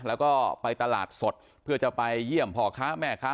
แล้วก็ไปตลาดสดเพื่อจะไปเยี่ยมพ่อค้าแม่ค้า